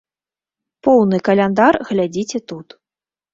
Поўны каляндар глядзіце тут.